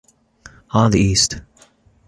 On the East.